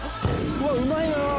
うわっうまいなあ